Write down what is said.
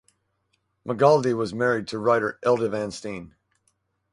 Magaldi was married to writer Edla Van Steen.